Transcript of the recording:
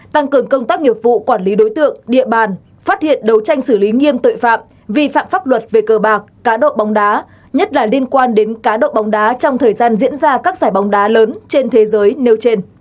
tăng cường công tác nghiệp vụ quản lý đối tượng địa bàn phát hiện đấu tranh xử lý nghiêm tội phạm vi phạm pháp luật về cờ bạc cá độ bóng đá nhất là liên quan đến cá độ bóng đá trong thời gian diễn ra các giải bóng đá lớn trên thế giới nêu trên